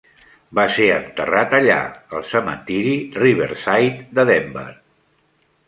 Va ser enterrat allà al cementiri Riverside de Denver.